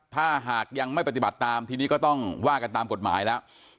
ถ้าหากยังไม่ปฏิบัติตามทีนี้ก็ต้องว่ากันตามกฎหมายแล้ว